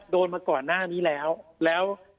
มาก่อนหน้านี้แล้วแล้ว